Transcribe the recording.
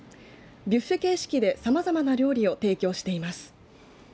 ビュッフェ形式でさまざまな料理を提供しています。